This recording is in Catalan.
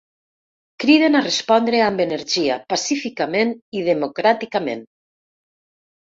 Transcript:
Criden a respondre amb energia, pacíficament i democràticament.